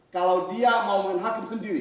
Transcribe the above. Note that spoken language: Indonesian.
kalau dia mau menurunkan hakim sendiri